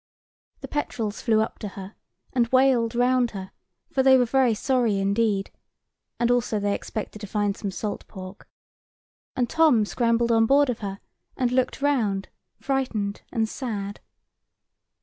The petrels flew up to her, and wailed round her; for they were very sorry indeed, and also they expected to find some salt pork; and Tom scrambled on board of her and looked round, frightened and sad.